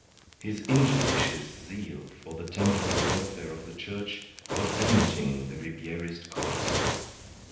His injudicious zeal for the temporal welfare of the Church was damaging the Ribierist cause.